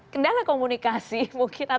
kendala komunikasi mungkin atau apa